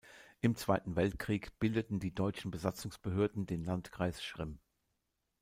Im Zweiten Weltkrieg bildeten die deutschen Besatzungsbehörden den "Landkreis Schrimm".